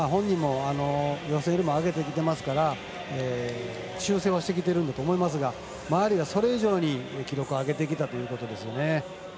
本人も予選よりも上げてきてますから修正はしてきているんだと思いますが周りがそれ以上に記録を上げてきましたね。